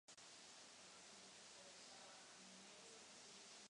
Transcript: Pokud zesnulý zvítězil vystoupil z podsvětí na oblohu jako nebeské těleso.